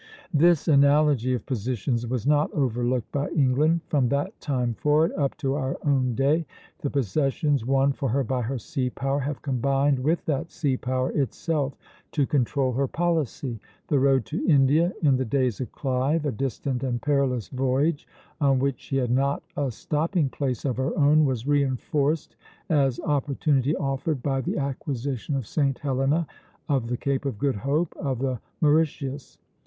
This analogy of positions was not overlooked by England. From that time forward up to our own day, the possessions won for her by her sea power have combined with that sea power itself to control her policy. The road to India in the days of Clive a distant and perilous voyage on which she had not a stopping place of her own was reinforced as opportunity offered by the acquisition of St. Helena, of the Cape of Good Hope, of the Mauritius.